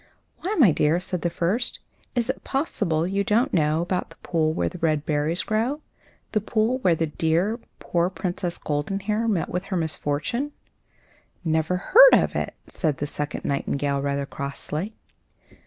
"Why, my dear," said the first, "is it possible you don't know about the pool where the red berries grow the pool where the poor, dear Princess Goldenhair met with her misfortune?" "Never heard of it," said the second nightingale, rather crossly.